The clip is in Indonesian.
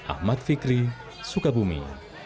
ahmad fikri sukabumi